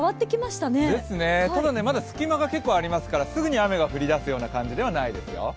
ただね、まだ隙間が結構ありますから、すぐに雨が降りだすような感じではないですよ。